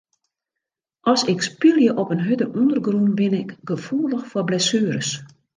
As ik spylje op in hurde ûndergrûn bin ik gefoelich foar blessueres.